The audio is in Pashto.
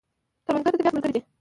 کروندګر د طبیعت ملګری دی